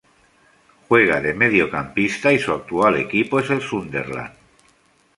Juega de mediocampista y su actual equipo es el Sunderland.